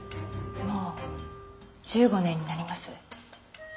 もう１５年になります。